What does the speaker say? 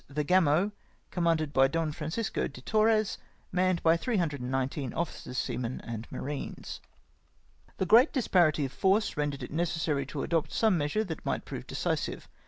the Gamo, commanded by Don Francisco de Torres, manned by 319 officers, seamen, and marines. " The great disparity of force rendered it necessary to adopt some measure that might prove decisive.